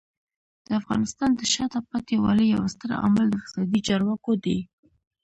د افغانستان د شاته پاتې والي یو ستر عامل د فسادي چارواکو دی.